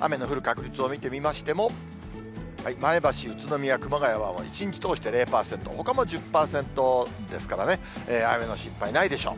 雨の降る確率を見てみましても、前橋、宇都宮、熊谷は、一日通して０％、ほかも１０％ですからね、雨の心配ないでしょう。